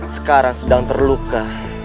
sekarang sedang terluka